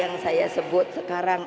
karna saya mengatakan sekarang